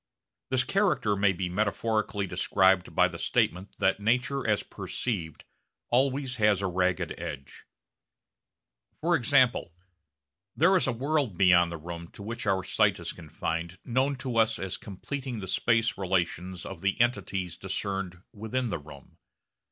This character may be metaphorically described by the statement that nature as perceived always has a ragged edge. For example, there is a world beyond the room to which our sight is confined known to us as completing the space relations of the entities discerned within the room.